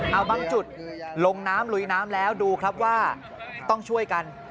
เอาบางจุดลงน้ำลุยน้ำแล้วดูครับว่าต้องช่วยกัน